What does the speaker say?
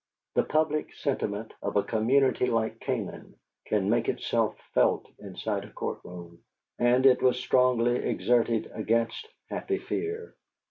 The public sentiment of a community like Canaan can make itself felt inside a court room; and it was strongly exerted against Happy Fear.